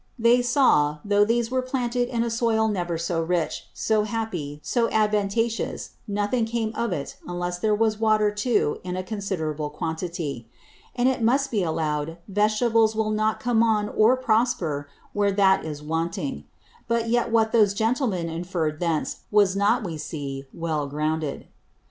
They saw, though these were planted in a Soil never so rich, so happy, so advantageous, nothing came of it unless there was Water too in a considerable quantity. And it must be allow'd Vegetables will not come on or prosper where that is wanting: But yet what those Gentlemen inferr'd thence, was not, we see, well grounded.